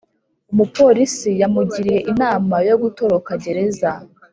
Umupolisi yamugiriye inama yo gutoroka gereza